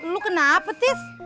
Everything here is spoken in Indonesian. lu kenapa tis